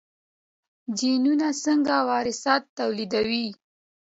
جینونه څنګه وراثت لیږدوي؟